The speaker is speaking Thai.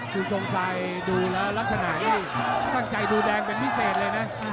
ผู้สงสัยดูแล้วรัฐภาษณาที่ตั้งใจดูแดงเป็นพิเศษเลยนะ